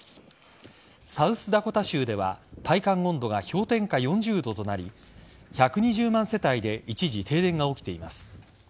サウスダコタ州では体感温度が氷点下４０度となり１２０万世帯で一時、停電が起きています。